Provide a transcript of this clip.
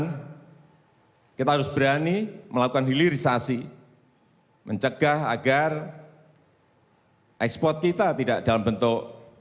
kita harus berani melakukan hilirisasi mencegah agar ekspor kita tidak dalam bentuk